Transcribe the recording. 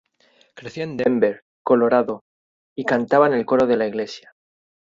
Creció en Denver, Colorado, y cantaba en el coro de la iglesia.